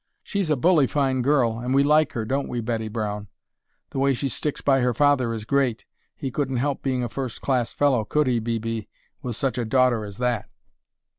She's a bully fine girl and we like her, don't we, Betty Brown? The way she sticks by her father is great; he couldn't help being a first class fellow, could he, B. B., with such a daughter as that?"